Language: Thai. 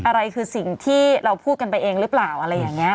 อะไรคือสิ่งที่เราพูดกันไปเองหรือเปล่าอะไรอย่างนี้